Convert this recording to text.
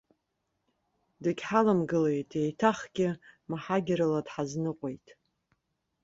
Дегьҳаламгылеит, еиҭахгьы маҳагьарала дҳазныҟәеит.